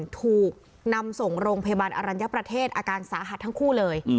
ถูกนำส่งโรงพยาบาลอรัญญประเทศอาการสาหัสทั้งคู่เลย